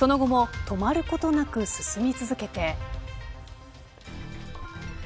その後も止まることなく進み続けて。